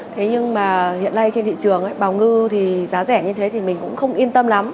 thế nhưng mà hiện nay trên thị trường ấy bảo ngư thì giá rẻ như thế thì mình cũng không yên tâm lắm